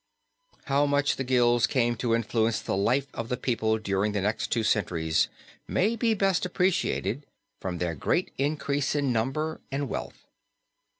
How much the guilds came to influence the life of the people during the next two centuries may be best appreciated from their great increase in number and wealth.